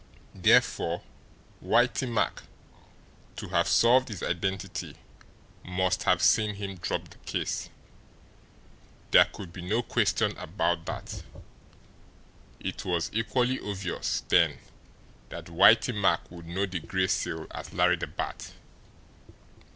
Therefore Whitey Mack, to have solved his identity, must have seen him drop the case. There could be no question about that. It was equally obvious then that Whitey Mack would know the Gray Seal as Larry the Bat.